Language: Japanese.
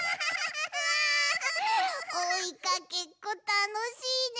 おいかけっこたのしいね！